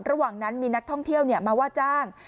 ระหว่างนั้นมีนักท่องเที่ยวมาว่าจ้าง